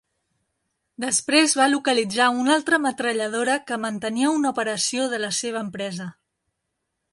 Després va localitzar una altra metralladora que mantenia una operació de la seva empresa.